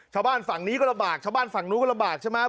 ชาวบ้านฝั่งนี้ก็ระบากชาวบ้านฝั่งนู้นก็ระบากใช่ไหม